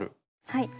はい。